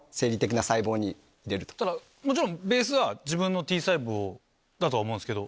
もちろんベースは自分のＴ細胞だとは思うんすけど。